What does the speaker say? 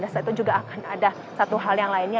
dan saat itu juga akan ada satu hal yang lainnya